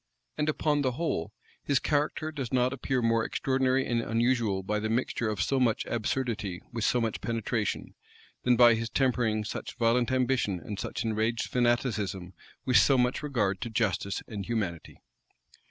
And, upon the whole, his character does not appear more extraordinary and unusual by the mixture of so much absurdity with so much penetration, than by his tempering such violent ambition and such enraged fanaticism with so much regard to justice and humanity.